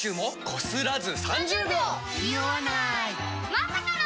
まさかの。